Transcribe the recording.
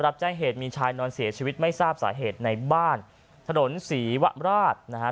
รับแจ้งเหตุมีชายนอนเสียชีวิตไม่ทราบสาเหตุในบ้านถนนศรีวราชนะฮะ